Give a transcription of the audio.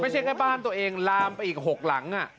ไม่ใช่แค่บ้านตัวเองลามไปอีก๖หลัง